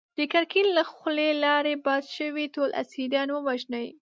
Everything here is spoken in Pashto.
د ګرګين له خولې لاړې باد شوې! ټول اسيران ووژنی!